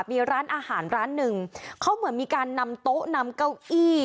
มีร้านอาหารร้านหนึ่งเขาเหมือนมีการนำโต๊ะนำเก้าอี้